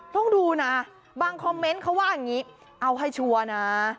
ต้องดูนะบางคอมเมนต์เขาว่าอย่างนี้เอาให้ชัวร์นะ